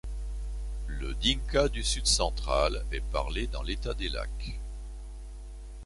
Le dinka du Sud-Central est parlé dans l'État des Lacs.